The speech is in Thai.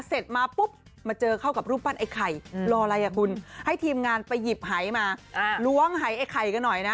เสร็จมาปุ๊บมาเจอเข้ากับรูปบ้านไอ้ไข่